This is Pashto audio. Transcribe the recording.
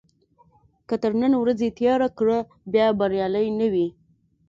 که تر نن ورځې تېره کړه بیا بریالی نه وي.